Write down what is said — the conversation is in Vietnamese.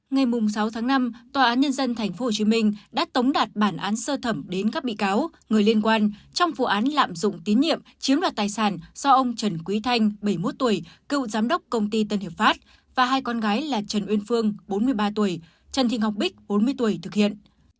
ngày sáu tháng năm tòa án nhân dân tp hcm đã tống đạt bản án sơ thẩm đến các bị cáo người liên quan trong vụ án lạm dụng tín nhiệm chiếm đoạt tài sản do ông trần quý thanh bảy mươi một tuổi cựu giám đốc công ty tân hiệp pháp và hai con gái là trần uyên phương bốn mươi ba tuổi trần thị ngọc bích bốn mươi tuổi thực hiện